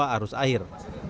apa arus akhir